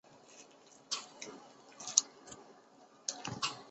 走到这里来